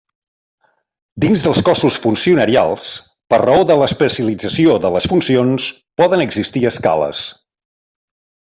Dins dels cossos funcionarials, per raó de l'especialització de les funcions, poden existir escales.